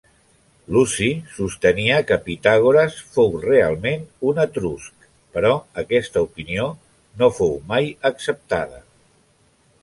Luci sostenia que Pitàgores fou realment un etrusc, però aquesta opinió no fou mai acceptada.